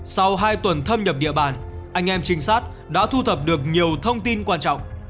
sau hai tuần thâm nhập địa bàn anh em trinh sát đã thu thập được nhiều thông tin quan trọng